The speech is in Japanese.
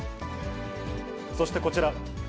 そしてこちら。